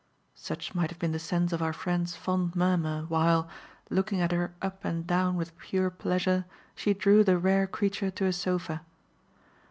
such might have been the sense of our friend's fond murmur while, looking at her up and down with pure pleasure, she drew the rare creature to a sofa.